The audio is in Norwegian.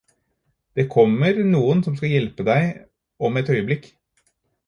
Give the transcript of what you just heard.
Det kommer noen som skal hjelpe deg om et øyeblikk.